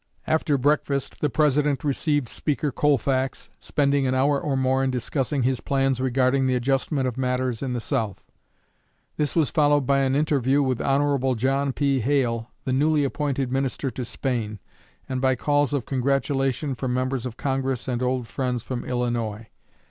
After breakfast the President received Speaker Colfax, spending an hour or more in discussing his plans regarding the adjustment of matters in the South. This was followed by an interview with Hon. John P. Hale, the newly appointed Minister to Spain, and by calls of congratulation from members of Congress and old friends from Illinois.